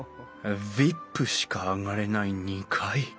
ＶＩＰしか上がれない２階